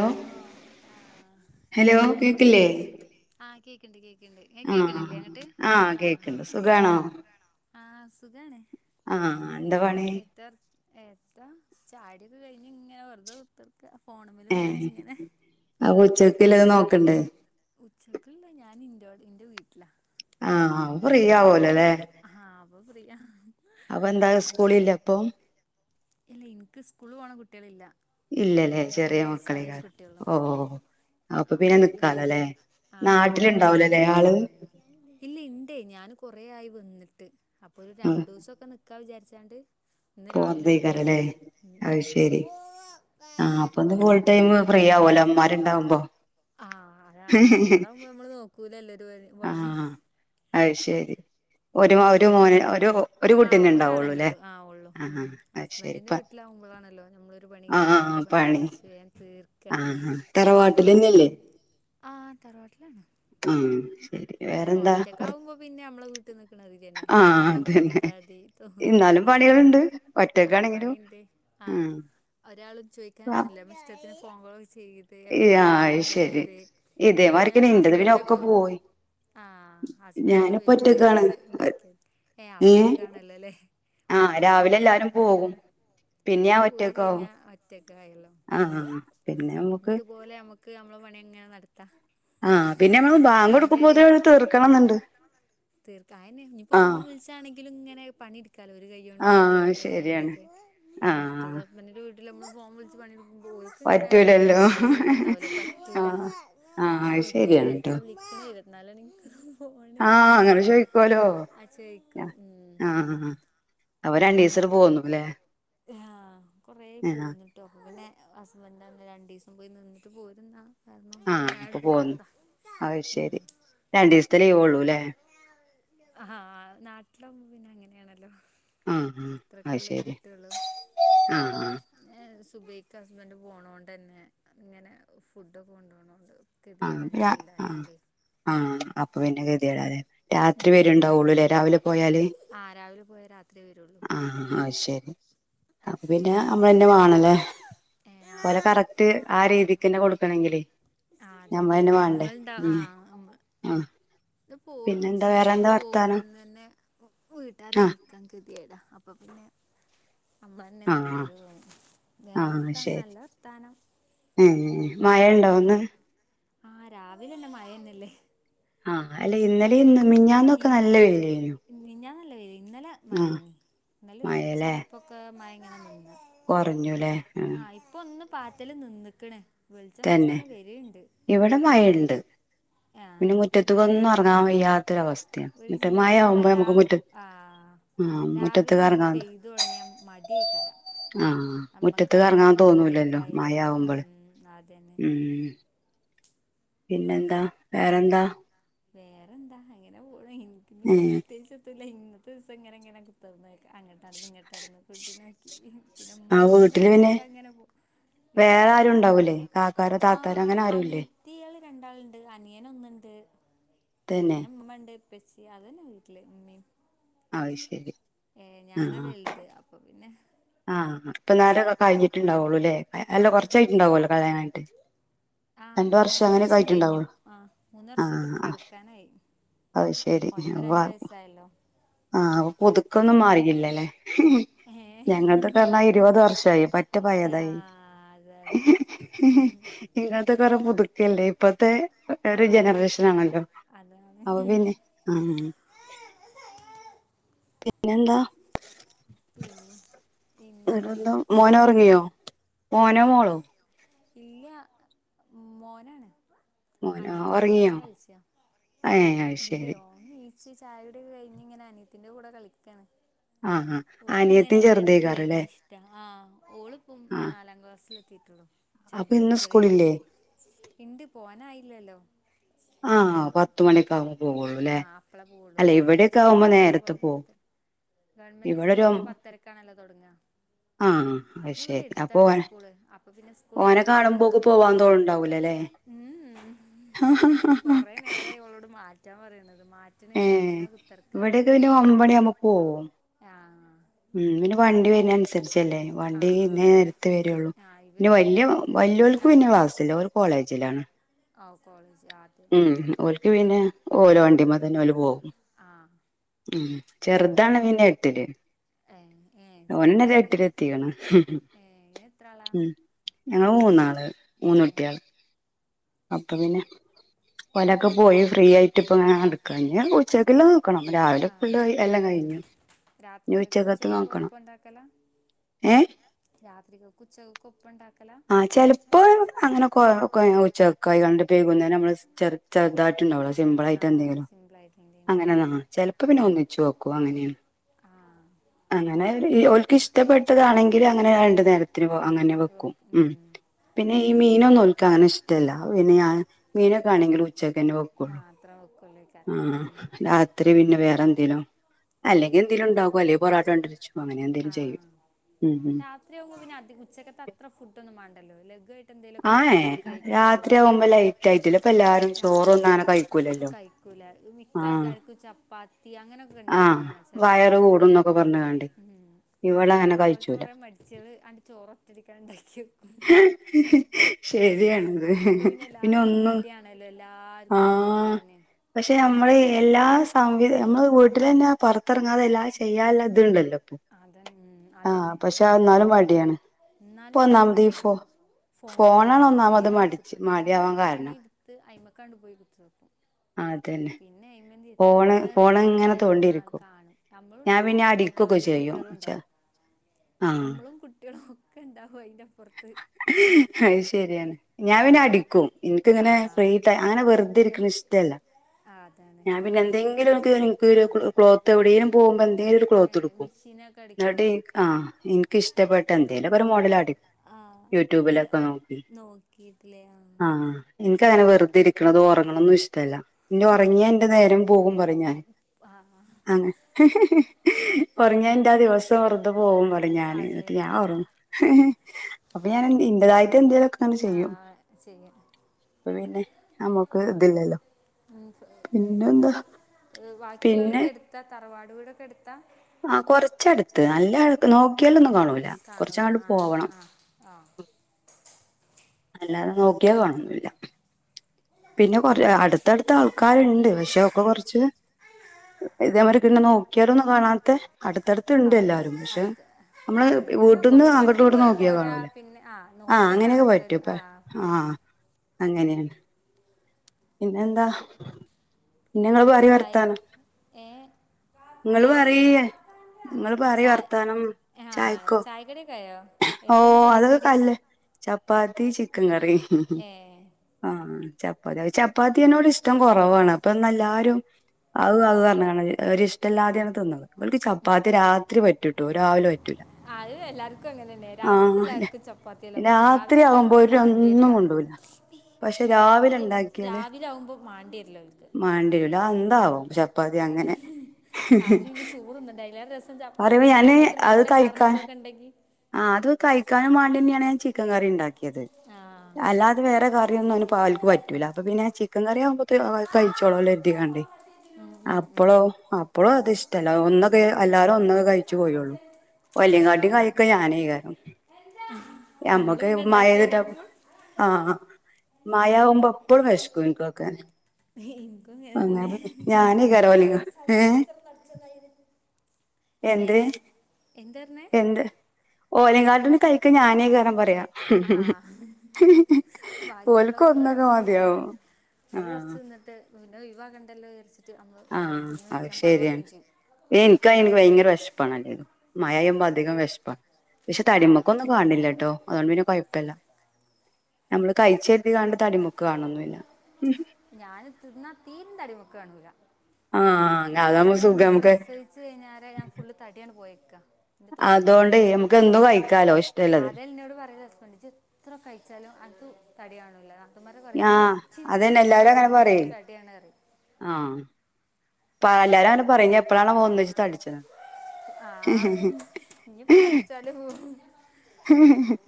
Hello ആഹ് [unintelligible] hello വർത്താനം ആഹ് കേക്ക്ണ്ട് കേ ആഹ് ആഹ് ആഹ് കേക്ക്ണ്ട് സുഖാണോ? ആഹ് സുഖാണ്. ആഹ് എന്താ പണി? ഏത്താ ചായൊടിക്കെ കഴിഞ്ഞ് ഇങ്ങനെ വെറ്തെ കുത്ത്ർ ഏഹ് അപ്പ ഉച്ചക്കല്ലത് നോക്കണ്ടേ. ഉച്ചക്ക്ള്ളത് ഞാൻ ഇന്റോടെ ഇന്റെ വീട്ടിലാ. ആഹ് ആഹ് ആഹ് അപ്പൊ ആഹ അപ്പൊ പിന്നെ അപ്പൊ എന്താ സ്കൂളില്ല മറ്റേ- അപ്പൊ ഇല്ല എനിക്ക് സ്കൂളിൽ പോണ കുട്ട്യേളില്ല ഇല്ലല്ലേ ചെറിയ മക്കളയികാരം കുട്ടിയൊള്ളു ഓ ഓ ഓ അപ്പൊ പിന്നെ നിക്കാലോല്ലേ നാട്ടിലുണ്ടാവുലല്ലേ ആള് ഇല്ലേയ് ഇണ്ടേയ് ഞാൻ കൊറെ ആയി വന്നിട്ട് അപ്പൊ ഒരു രണ്ടൂസൊക്കെ നിക്കാ വിചാരിച്ചാണ്ട് ഇന്ന് രാവിലെണ്ട് പോന്നതെയ്കാരംല്ലേ പോന്നേനി ഉം അത് ഉം ശരി ആഹ അപ്പന്ന് ഫുൾടൈം- ഫ്രീയാവോലോ ഇമ്മാരുണ്ടാകുമ്പോ ആഹ് അത നമ്മളോടെ പോകുമ്പോള് ഇത് നോക്കൂലല്ലൊത് എല്ലപാര് [unintelligible] ആഹ അത് ശരി ഒരു ഒരു മോന് ഹസ്ബൻഡ് ഒരു ഒരു ആഹ് കുട്ടീന്നെ ഒരാളെന്നെ ഉണ്ടാവുള്ളൂല്ലേ ഉള്ളു ആഹ അഹ് അത് ശരി ഇപ്പ നമ്മലാണല്ലോ നമ്മൾ ഒരു പണി കഴിഞ്ഞടുത്ത പണി പണികഴിച്ച് വേഗം തീർക്ക- ആ തറവാട്ടിലന്നെല്ലേ ആ തറവാട്ടിലാണ് ആ ശരി വേറെന്താ വർ ഒറ്റക്കാകുമ്പോ പിന്നെ നമ്മളെ വീട്ടിൽ നിക്കണ ഒരിതന്നെ ആ നമുക്ക് തോന്നുമ്പോട്ത്താതി തോന്നും കുട്ടികളുണ്ട് ഒറ്റക്കാണെങ്കിലും ഉം ആഹ് ഒരാളും ചോയ്‌ക്കാനൊന്നുംല്ല നമ്മളിഷ്ടത്തിന്- ഫോൺകോളൊക്കെ ചെയ്ത് ഈ, എപ്പഴും ആ, അത് വിഭവം ശരി പടുത്ത് പിന്നെ ഇതേമാരിക്കന്നെ ഇന്റത് പിന്നെ ഒക്കെ ഹസ്ബന്റൊക്കെ- പോയി [inaudible] ഹസ്ബന്റൊക്കെ ഞാനിപ്പോ ഒറ്റക്കാണ് വരുമ്പോത്തിനെന്തെങ്കിലും ഇണ്ടാക്കിയാമതി ഏ അപ്പൊ സുഖാണല്ലോല്ലേ ആ രാവിലെ എല്ലാരും പോകും പിന്നെ ഞാൻ ആണ് പോയി ഒറ്റക്കാവും കഴിഞ്ഞാ മറ്റ് ഗായല്ലോ ആ [unintelligible] പിന്നെ നമുക്ക് പിന്നതുപോലെ നമ്മക്ക് നമ്മളെ പണിഅങ്ങനെ നടത്താ ആഹ പിന്നെ നമ്മള് ബാങ്ക് കൊടുക്കുമ്പോതിന് തീർത്ത് അതന്നെ ഇനിപ്പോ ആ ഫോൺ വിളിച്ചാണെങ്കിലും ഇങ്ങനെ ക്കാലോ ഒരുകയ്യോണ്ട്ടുത്ത് ആഹ് ശരിയാണ്. ഒരുകായ്യോണ്ടൊക്കെ മറ്റത് ആഹ് ഹസ്ബന്റിന്റെ വീട്ടിൽ നമ്മക്ക് ഫോംവിളിച്ചു പണിടുക്ക- പറ്റൂലല്ലോ ഉണ്ടാവൂല പറ്റൂല ആഹ ഓ ഇങ്ങനെ ആർക്കാ വിളക്ക്ണ് ആഹ അങ്ങനെ ചോയിക്കോലോ ആ ചോയിക്കും ഉം ആഹ ആഹ അവ രണ്ടീസം പോന്നുല്ലെ ആഹ കൊറ പോന്നിട്ടോ പിന്നെ എന്താ രണ്ടു ദിവസം പോയി നിന്നിട്ട് പോയിരുന്നാ ആഹ അപ്പൊ പോന്നു അയ്ശരി ഉം രണ്ടീദിവസത്തെ ലിവോള്ളൂലെ ആഹ് നാട്ടില പിന്നെ അങ്ങനെയാണല്ലോ ആഹ ആഹ അ അത്രക്കല്ലേ ശരി കിട്ടുള്ളൂ ആഹ ആഹ സുബൈയ്ക്ക് ഹസ്ബൻഡ് പോണോണ്ടന്നെ അതിങ്ങനെ ഫുഡൊക്കെ കൊണ്ടോനൊണ്ട് ആ ആ ആ അപ്പൊ പിന്നെ കതിടാലെ രാത്രി ഉം വരു ഉണ്ടാവുഉള്ളല്ലേ രാവിലെ പോയാൽ ആ രാവിലെ പോയാ രാത്രിയേ വരുള്ളൂ ആഹ ആ ശരി അപ്പിന്നെ നമ്മളെന്നെ വണല്ലേ ഏ ആ പോലെ കറക്റ്റ് ആ രീതിക്ക് തന്നെ കൊടുക്കണെങ്കിൽ ആ അതന്നെ നമ്മൾുണ്ടാ ആ ആഹ് ഇത് പോവു പിന്നെന്താ വേറെന്താ സുബ്ബയ്യ്ക്ക് വർത്താനം പോകുമ്പോന്ന തന്നെ വീട്ടുകാരെ ആഹ് വിളിക്കാൻ കേതീടാ അപ്പൊ പിന്നെ അമ്മ തന്നെ ആഹ് നല്ലത് തോന്നും ആഹ് വേറെത്ത ശരി നല്ല വർത്താനം മഴ ഉണ്ടോ ഇന്ന് ആഹ് രാവിലന്നെ മഴന്നല്ലേ ആഹ് അല്ല ഇന്നലെ ഇന്ന് ഇ മിഞ്ഞാന്നൊക്കെ നല്ല വെയിലെന്നു മിനിഞ്ഞാന്നല്ല ഇന്നലെ മഴയിനി ഇന്നാലൊരു ഉച്ചാ യിപ്പോക്കെ മഴ ഇങ്ങനെനിന്നി കുറഞ്ഞുല്ലെ മ് ഒന്ന് പാറ്റല് നിന്ന്ക്ക്‌ണ് തന്നെ ഇവിടെ മഴയിണ്ട് ആഹ് പിന്നെ മുറ്റത്തക്കൊന്നും ഇറങ്ങാൻ വയ്യാത്തൊരവസ്ഥയാണ് ഒരു മറ്റേ മഴ ആവുമ്പോ നമുക്ക് മുറ്റതെക്ക് രാവിലെ തന്നെ പയ്ത് തുടങ്ങിയാ മടികാരം ആഹ മുറ്റത്ത് കറങ്ങാൻ തോന്നൂലല്ലോ കുട്ടിയേക്കായാലും മഴആവുമ്പോൾ ഉം അതന്നെ ഉം പിന്നെന്താ വേറെന്താ വേറെ എന്താ അങ്ങനെ പോണം എനിക്കി ഏഹ് പ്രത്യേകിചോത്തുലിയ ഇന്നത്തെ ദിവസം ഇങ്ങനെഇങ്ങനെ കുത്തർന്ന് അങ്ങട്ട് നടന്ന് ഇങ്ങട്ട് നടന്ന് കുട്ടി നോക്കി പിന്നെ ആഹ് ഇമ്മള്ളോണ്ട് വീട്ടില് പിന്നെ അക്കെ അങ്ങനെ പോ വേറെ വീട്ടിലോ ആരും വീട്ടിൽ ഉണ്ടാവൂലേ കാക്കാരോ ആ താത്താരോ അങ്ങനെ ആരുല്ലേ അനിയത്തിയാള് രണ്ടാളുണ്ട് അനിയന ഒന്നുണ്ട് തന്നെ പിന്നെ ഇമ്മമ്മണ്ട് ഇപ്പച്ചി അതന്നെ വീട്ടിൽ ഇമ്മീം അയ് ശരി ഏ ഞാനാ വലുത് അപ്പൊ പിന്നെ ആ ഇപ്പം നേരംക്കെ കഴിഞ്ഞിട്ടുണ്ടാവുള്ളൂല്ലേ അല്ല ആ കുറച്ചായിട്ടുണ്ടാവും കല്യണം കഴിഞ്ഞിട്ട് ആഹ രണ്ട വർഷം കഴിഞ്ഞു ആ മൂന്ന് ആ വർഷത്തക്ക് ആ കടക്കാനായി അത് ശെരി ഓനിപ്പോ രണ്ട് വയസ്സായല്ലോ ആഹ അ പുതുക്കൊന്നും മാറിയില്ലല്ലേ ഏ ഞങ്ങൾതക്കർഞ്ഞാ ഇരുപത് വർഷമായി പറ്റ ആ പയേതായി അതാണ് ഉം ഇങ്ങൾതൊക്കെ കുറ പുതുക്കല്ലേ ഇപ്പത്തെ ഒരു ആഹ് ജനറേഷനാണല്ലോ അതാണ് അവന്നെ ആ പിന്നെന്താ പിന്നെ ഇന്റെതോ വേറെന്താ ഇന്റെ മോനോ ഫാത്തിമാന്ന് ഉറങ്ങിയോ മോനോ മോളോ ഇല്ല മോനാണ് മോനോ അനിയത്തിന്റെ കൂടെ ഉറങ്ങിയോ അങ്ങനെ കളിച്ചാ ഏ അത് ഇല്ലേ ശരി ഓൻ നീ പക്ഷെ ചായകുടികഴിഞ്ഞ് ഇങ്ങനെ അനത്തിന്റെ കൂടെ കളിക്കാണ് ആ ആ ഓക്ക് ഇങ്ങനെ അനിയത്തിയും ഞങ്ങൾ എടുക്ക് ചെറുതേക്കാറല്ലേ വരുന്ന ഇഷ്ടാ ആഹ് ഓളിപ്പം ആ നാലാം ക്ലാസ്സൽ എത്തിട്ടുള്ളു അപ്പൊ ചെറുത് ഇന്ന് സ്കൂളില്ലേ ചെറിയനയത്തി ഇണ്ട് പോവാനായില്ലല്ലോ [unintelligible] ആഹ ഒരു പത്ത് മണിയക്കആകുമ്പോ പോവുള്ളൂല്ലേ ആഹ് അപ്പളെ പോവുള്ളൂ അല്ല ഗവൺമെന്റ് ഇവിടൊക്കെ ആകുമ്പോ നേരത്തെ പോകും [unintelligible] ഗവൺമെന്റുസ്കൂൾ ആവുമ്പോ പത്തരക്കാണല്ലോ തൊടങ്ങാ ആഹ് പിന്നെ ഇവിടെ അയ്ശെരി അപ്പൊ എടുത്താണ് സ്കൂള് അപ്പൊ പിന്നെ സ്കൂൾ ഓനെ തുടങ്ങണേന്റെ ഒരു കാണുമ്പോക്കെ പോവാൻതോന്ന്ണ്ടാവുല്ലാലെ ഉം ഹാ ഹാ കൊറേ നേരായി ഓളോട് മാറ്റാൻ പറയ്ണത് ഏ ഇവിടെക്കെ പിന്നെ ഒൻപത്മണി ആവുമ്പോ പോവും ആഹ് ഉം പിന്നെ വണ്ടി വരുന്നനുസരിച്ചല്ലേ വണ്ടി ആഹ് ഇന്ന ആഹ് നേരത്തെ വരുള്ളൂ ആഹ് ഇവര് പിന്നെ വല്യ ഒറ്റക്ക് വല്യോൾക്ക് ആര് പിന്നെ ക്ലാസ്സില്ല ഓള് കോളേജിലാണ് ആഓ കോളേജ് ആദ്യം ഉം ഓൽക്ക് പിന്നെ ഉം ഓല്വണ്ടിമ്മതന്നെ ഓല് പോകും ആഹ് ഉം ചെറതാണ് പിന്നെട്ടില് ഏഹ് ഏഹ് ഓന്നത് ചെറുതില് എട്ടിലെത്തീക്കണ് ഏഹ് എത്ര ആളാ ഉം ഞങ്ങള് മൂന്നാള് ഏഹ് മൂന്നുട്ടിയെള് അപ്പൊ പിന്നെ ഓലൊക്കെ പോയി ഫ്രീആയിട്ട് ഇപ്പ ഇങ്ങനെ നടക്കാണ് ഉച്ചക്ക്ള്ളത് നോക്കണം രാവിലെ ഫുള്ള് ആഹ് എല്ലാംകഴിഞ്ഞ് ഇനി രാത്രികക്ക് ഉച്ചക്കത്തെ ഉച്ചക്കും നോക്കണം ഒപ്പം ഉണ്ടാക്കലാ ഏ [unintelligible] ആഹ് ചെലപ്പോ അങ്ങനെ കൊകോച്ചക്കായികാണ്ട് വൈകുന്നേരം നമ്മള് ചെറ് ചെറ്തായിട്ട് ഇണ്ടാവുള്ളു ചെറു ആ സിമ്പിളായിട്ടെന്തെങ്കിലും സിമ്പിളായിട്ട് എന്തേം ഉണ്ടാക്കും അങ്ങനെന്നാ ചെലപ്പോ പിന്നെ ഒന്നിച്ചുവെക്കും അങ്ങനെണ് ആ [inaudible] അങ്ങനെ ഓല്ക്ക് ഇഷ്ടപ്പെട്ടതാണെങ്കില് അങ്ങനെ രണ്ടുനേരത്തിന് അങ്ങനെ വെക്കും ഉം പിന്നെ ഈ മീനൊന്നും ഉൽക്കങ്ങനെ ഇഷ്ടല്ല പിന്നെ ഞാൻ മീനൊക്കെ ആണെങ്കിലും ഉച്ചക്കന്നെ വെക്കുള്ളൂ മാത്രം വെക്കുള്ളേക്കാരം ആഹ് ഉം രാത്രി പിന്നെ വേറെന്തേലും അല്ലെങ്കെന്തേലുംണ്ടാക്കും അല്ലെങ്ക പൊറോട്ടണ്ടരിച്ചു ആഹ് രാത്രിയാവുമ്പോ പിന്നെ അധി ഉച്ചക്കത്തെത്ര ഫുഡൊന്നും വേണ്ടല്ലോ ലഘു ആയിട്ട് ആന്നെ രാത്രി ആകുമ്പോ ലൈറ്റ് ആയിട്ടല്ല ഇപ്പെല്ലാരും ചോറൊന്നും അങ്ങനെ കഴിക്കൂലല്ലോ ല മിക്ക ആ ആൾക്കാർക്കും ചപ്പാത്തി അങ്ങനെയൊക്കെ ആ ഇണ്ടാക്ക്ണകാണ ചെല വയറ് വീട്ടിലൊക്കെ കൂടും എന്നൊക്കെ ഉം. [inaudible] പിന്നെ ഞങ്ങളെ പോലത്തെ കഴിച്ചൂല കൊറേ മടിച്ചികള് ആണ്ട് ചോറൊറ്റടിക്കണ്ട് ണ്ടാക്കിവെക്കും ശരിയാണത് എല്ലാവർക്കും പിന്നൊന്നും മടിയാണല്ലോ എല്ലാവർക്കും ആഹ് ഉണ്ടാക്കാന് പഷെ നമ്മള് എല്ലാ സംവിധ നമ്മള് വീട്ടിലെന്നെ പുറത്തിറങ്ങാതെ എല്ലാ ചെയ്യാല്ല ഇതത്ത്ണ്ടല്ലോ അത ഉം, ആഹ് അതന്നെ പഷെ അഎന്നാലും മടിയാണ് [unintelligible] ഫോണുള്ളോണ്ട് ഒന്നാമത് വേഗണ്ട് മടിച്ച് കുത്തുത്തും വേഗം മടിയാവാൻ കാരണം പണിയെടുത്ത് അയ്മേക്കണ്ട് പോയി കുത്തുത്തും അതന്നെ പിന്നെ അയ്മേന്തി ഫോണ് ഫോണ് എത്ത്‌ ഇങ്ങനെ പറ്റിയാലും ആ തോണ്ടിയിരിക്കും കാണും ഞാൻ ഞമ്മളുണ്ടാവും പിന്നെ അടിക്കൊക്കെ അപ്പുറത്തെ ചെയ്യും ച്ചാ കുട്ടികളുണ്ടാവും ആഹ് നമ്മളും കുട്ടികളും ഒക്ക്ണ്ടാവും അയിന്റപ്പുറത്ത് അയ്ശെരിയാണ് ഞാൻ പിന്നെ അടിക്കും ആ എനിക്കിങ്ങനെ ഫ്രീടൈ അങ്ങനെ വെറുതിരിക്കണ എപ്- ഇഷ്ടല്ല ആ അതാണ് ഞാൻ പിന്നെന്തെങ്കിലും എനിക്ക് എനിക്കൊരു ആ ക്ലോത്ത് എവിടേലും പോകുമ്പോ എന്തേലൊരു ഏഹ് ക്ലോത്തെടുക്കും മിഷീനൊക്കെ അടിക്കോ? എന്ന്ട്ട് ആ എനിക്ക് ഇഷ്ടപ്പെട്ട എന്തേലൊക്കൊരു മോഡൽ അടിക്കും ആഹ് ഇങ്ങനെ യൂട്യൂബിലൊക്കെ നോക്കിട്ടില്ലേ ആഹ് ആ ഇന്ക്കങ്ങനെ വെറുതിരിക്കണതോ ഒറങ്ങ ങ്ങണൊന്നും ഇഷ്ടല്ല പിന്നൊറങ്ങിയ എന്റെ നേരം പോകും പറയും ഞാന് ആഹ് അങ്ങനെ ഹി-ഹി-ഹി-ഹി ഒറങ്ങെ എന്റാ ദിവസം വെറുത് പോകുംപറയും ഞാന് അതെ എന്നിട്ട് ആഹ് ഞാനൊറങ്ങും ഹ് ഹ് അപ്പൊ ഞാൻ ഇന്റെതായി ട്ടെന്തേലൊക്കെങ്ങനെ ചെയ്യും ആഹ് ചെയ്യാം അപ്പൊ പിന്നെ നമ്മുക്ക് ഇതില്ലല്ലോ പിന്നെന്താ പിന്നെ ബാക്ക്യുള്ളോലൊക്കെ എട്ത്താ തറവാട് വീടൊക്കട്ത്താ ആ കൊറച്ചടുത്ത് നല്ല അട് നോക്കിയാലൊന്നും കാണൂല്ലാ കാണൂല ആഹ് ആഹ് ഹ അല്ലാതെ നോക്കിയാ കാണോന്നില്ല പിന്നെ കൊറ അടുത്തടുത്താൾക്കാര്ണ്ട് പഷെ ഒക്കെ കൊറച്ച് ഇതവരക്കെ നോക്കിയാലൊന്നും കാണാത്തെ ആ അടുത്ത് നമ്മള് ആ നമുക്ക്പിന്നെ വീട്ടിൽ കൊറച്ച് വണ്ടി പോയി പൊരാ പിന്നെ ആ ആഹ് അങ്ങനെയൊക്കെ പറ്റുംപ്പ ആഹ് അങ്ങനെ പിന്നെന്താ പിന്നെങ്ങള് പിന്നെന്തിട്ട് പറയ് ചായ വർത്താനം ഏഹ് ഇങ്ങള് ഏഹ് പറയ് ഇങ്ങള് പറയ് ചായ വർത്താനം ആഹ് ചായക്കോ ചായക്കടിയൊക്കായോ എത്തേനി ഓഹ് അതൊക്കെ ചായക്കടി? കല്ല് ചപ്പാത്തി ചിക്കൻ കറി ഏ ആഹ് ചപ്പാത്തി അത്ചപ്പാത്തിയനോട് ഇഷ്ടം കുറവാണ് അപ്പൊ ഇന്നെല്ലാരും അവ് അവ് പറഞ്ഞ് കാണാ ഒരിഷ്ടല്ലാതെയാണ് തിന്നത് ഓൽക്ക് ചപ്പാത്തി രാത്രി പറ്റൂട്ടോ രാവിലെ പറ്റൂല അത് എല്ലാർ ക്കും അങ്ങനെതന്ന രാത്രി ആഹ് എല്ലാവർക്കും ചപ്പാത്തിയെല്ലാം പറ്റും രാത്രി രാവിലെ ആവുമ്പോ ഇണ്ടാക്കുമ്പം ഓരൊന്നും മാണ്ടിവരില്ല കൊണ്ടൂല പക്ഷെ രാവിലെ ഇണ്ടാക്കിയാല് മാണ്ടിയരില്ല അവൾക്ക് മാണ്ടിവരൂല അത് ഉം. എന്താവോ ചപ്പാത്തി അങ്ങ അങ്ങനെ രാത്രി പിന്നെ ചോറ് തിന്നണ്ട അയിലേറെ രസം ചപ്പാത്തി പറയുമ്പോ ഞാന് അയിക്ക് നല്ല കറി ഇന്തൊക്കെ ഇണ്ടെങ്കി ആഹ് അത് കഴിക്കാനും വേണ്ടിന്നയാണ് ഞാൻ ചിക്കൻ കറി ഇണ്ടാക്കി ക്കിയത് ആ അല്ലാതെ വേറെ കറിയൊന്നും അയ്ന് ഓൽക്ക് പറ്റൂല്ല അപ്പ പിന്നെ ചിക്കൻ കറിയ ആവുമ്പോ ട്ട് അവ കഴിച്ചോളല്ലോ എത്തിക്കാണ്ടി ഉം, ഉം, ഉം. അപ്പളോ അപ്പളോ അത് ഇഷ്ടമല്ല ഒന്നൊക്കെ എല്ലാരും ഒന്നക്കെ കഴിച്ചു പോയുള്ളു ആ ഓയ്ല് കാട്ടി കഴിക്കു ഞാന് കാരണം നമ്മൾ ഞമ്മക്ക് പിന്നെ ഉണ്ടാക്കി കഴിഞ്ഞാൽ നമ്മൾ [unintelligible] ആഹ് മയാകുമ്പോ അപ്പഴും വിശക്കും എൻക്ക് ഇങ്ങക്കും ങ്ങനന്നെ പിന്നെ ഞാനേ കാരണം ഓലിങ്ങ ഏ സതിസിസ്റ്റർ പഠിച്ച് [unintelligible] എന്ത് എന്ത് ഓലേകാട്ടില് കയ് ക്കെ ഞാനേ കടം പറയാ ആഹ് ഓല്ക്ക് ഒന്നൊക്കെ മതിയാവും ഒരു ആഹ് വർഷം നിന്നിട്ട് പിന്നെ യിവാക്കണ്ടല്ലോ വിചാരിച്ച് ആഹ് അത് ശരിയാണ് എനിക്ക് ഭയങ്ക ഭയങ്കര വിശപ്പാണല്ലേലും മഴപെയുമ്പോ അധികം വെശപ്പാ പക്ഷെ ആഹ് തടിയ്മെക്കൊന്നും കാണണില്ലട്ടോ അതൊണ്ട് പിന്നെ കൊഴപ്പില്ല ഞമ്മള് കഴിച്ചരുതി കാണ്ട് തടിമേക്ക് കാണൊന്നില്ല ഞാന് തിന്നാ തീരെ തടിമെക്ക് കാണൂല ആഹ് ഈ അതാവുമ്പോ കല്യാണം സുഖാ കഴിഞ് നമുക്ക് പ്രസവിച്ച് കയിഞ്ഞേരെ ഞാൻ ഫുള്ള് തടിയാണ്ട് പോയേക്കാ ഇന്റെ തൊണ്ണൂറ് അതുകൊണ്ട് കഴിഞ്ഞാരെ ഇമ്മക്ക് എന്തും കഴിക്കാലോ ഇഷ്ട്ടള്ളത് എൻക്ക് എത്ര കഴിച്ചാലും [unintelligible] തടികാണൂല്ല അതാ ആ അതന്നെ എല്ലാരും അങ്ങനെ പറയ് എന്തോര് തടിയാണ് പറയും ആഹ് പ എല്ലാരും അങ്ങനെ പറയും ഞ്ഞ് എപ്പഴാണാവോ ഒന്നിച്ച് തടിച്ചണെ ആഹ് ഇനിപ്പ തടിച്ചാലും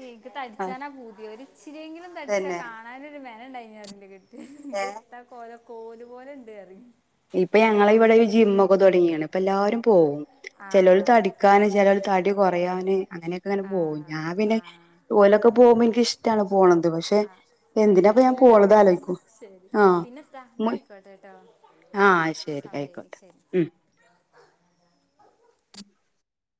എൻക്ക് തടിച്ചാനാ പൂതി ഒര് ഇച്ചിരിയെങ്കിലും തടിച്ചാ തന്നെ കാണാനൊരു മെനെ യെണ്ടന്ന് പറയ്ണ്ട് കെട്ടിയോൻ ഇത് ഏഹ് എന്താ കോലം കോല് പോലെ ഇണ്ട് പറയും ഇപ്പൊ ഞങ്ങള ഇവിടെ ജിമ്മക്കെ തുടങ്ങിക്കിണ് അപ്പ എല്ലാരും പോവും ആ ചെലവര് തടിക്കാന് ചെലവര് തടി കുറയാന് അങ്ങനെയൊക്കെ അങ്ങനെ ആ പോവും ഞാൻ പിന്നെ ആ ഓലൊക്കെ പോകുമ്പോ എനിക്കിഷ്ടാണ് പോണത് പക്ഷെ ആ എന്തിനാ അപ്പൊ ഞാൻ അതിനില്ലല്ലോ പോണത് നമുക്ക് ആലോയ്ക്കും പിന്നെ ത്താ എന്നാ ആയിക്കോട്ടെട്ടോ ആഹ് ശരി ആയിക്കോട്ടെ ഉം